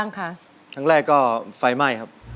สวัสดีครับ